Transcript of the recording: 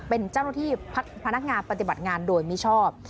เป็นเจ้าหน้าที่พนักงานปฏิบัติงานโดยมิชอบ